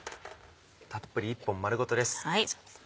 たっぷり１本丸ごとです。